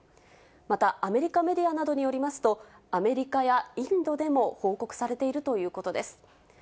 またアメリカメディアなどによりますと、アメリカやインドでも報告されているということです。